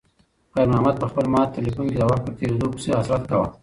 خیر محمد په خپل مات تلیفون کې د وخت په تېریدو پسې حسرت کاوه.